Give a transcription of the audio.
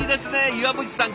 岩渕さん